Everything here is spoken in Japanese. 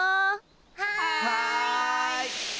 はい！